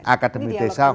akademi desa empat